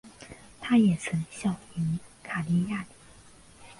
他也曾效力于卡利亚里。